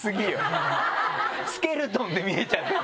スケルトンで見えちゃってる。